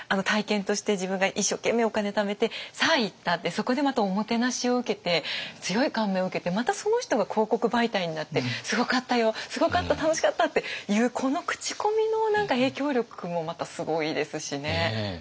そこでまたおもてなしを受けて強い感銘を受けてまたその人が広告媒体になって「すごかったよ！すごかった！楽しかった！」っていうこの口コミの影響力もまたすごいですしね。